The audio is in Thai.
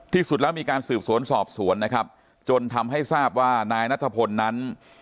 ที่สุดแล้วมีการสืบสวนสอบสวนนะครับจนทำให้ทราบว่านายนัทพลนั้น